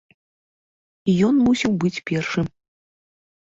Ён мусіў быць першым.